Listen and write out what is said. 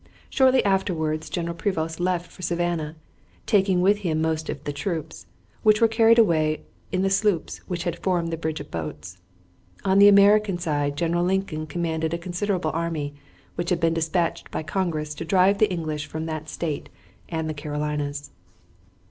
Shortly afterward General Prevost left for Savannah, taking with him most of the troops, which were carried away in the sloops which had formed the bridge of boats. On the American side General Lincoln commanded a considerable army, which had been dispatched by Congress to drive the English from that State and the Carolinas.